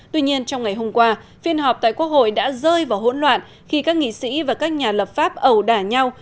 tuy nhiên trong ngày hôm qua phiên họp tại quốc hội đã rơi vào hỗn loạn khi các nghị sĩ và các nhà lập pháp ẩu đả nhau